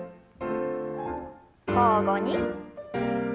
交互に。